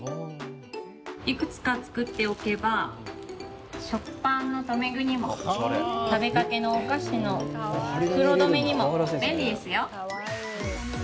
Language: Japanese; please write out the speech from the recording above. いくつか作っておけば食パンの留め具にも食べかけのお菓子の袋留めにも便利ですよ。